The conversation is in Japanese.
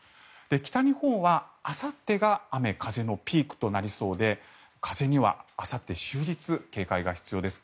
北日本は、あさってが雨、風のピークとなりそうで風には、あさって終日警戒が必要です。